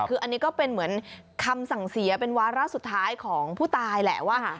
คืออันนี้ก็เป็นเหมือนคำสั่งเสียเป็นวาระสุดท้ายของผู้ตายแหละว่า